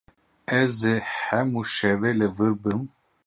Ez ê hemû şevê li vir bim.